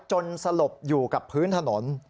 สลบอยู่กับพื้นถนน